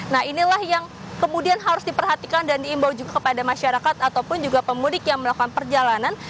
nah inilah yang kemudian harus diperhatikan dan diimbau juga kepada masyarakat ataupun juga pemudik yang melakukan perjalanan